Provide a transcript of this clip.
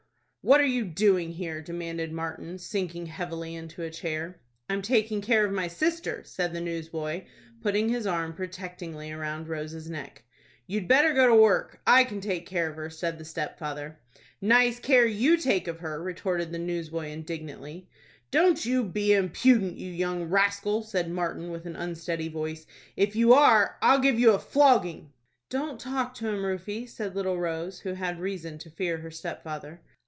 "What are you doing here?" demanded Martin, sinking heavily into a chair. "I'm taking care of my sister," said the newsboy, putting his arm protectingly round Rose's neck. "You'd better go to work. I can take care of her," said the stepfather. "Nice care you take of her!" retorted the newsboy, indignantly. "Don't you be impudent, you young rascal," said Martin, with an unsteady voice. "If you are, I'll give you a flogging." "Don't talk to him, Rufie," said little Rose, who had reason to fear her stepfather.